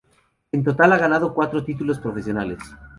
En total ha ganado cuatro títulos profesionales.